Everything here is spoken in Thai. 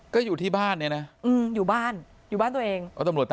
ก็อยู่ที่บ้านเนี่ยนะอยู่บ้านอยู่บ้านตัวเอง